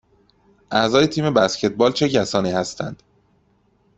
اعضای تیم بسکتبال چه کسانی هستند؟